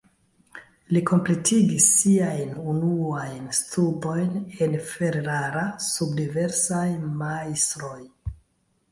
Li kompletigis siajn unuajn studojn en Ferrara sub diversaj majstroj.